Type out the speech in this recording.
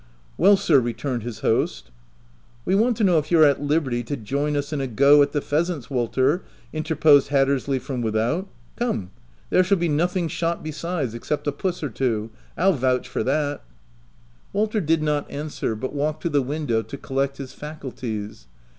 u Well, sir," returned his host. " We want to know if you're at liberty to join us in a go at the pheasants, Walter,' ' interposed Hattersley from without. "Come! there shall be nothing shot besides, except a puss or two ; Pll vouch for that." OF WILDFELL HALL. 4/ Walter did not answer, but walked to the window to collect his faculties.